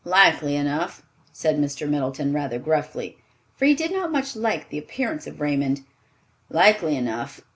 "Likely enough," said Mr. Middleton, rather gruffly, for he did not much like the appearance of Raymond, "likely enough.